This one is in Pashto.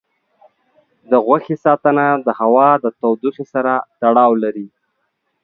د غوښې ساتنه د هوا د تودوخې سره تړاو لري.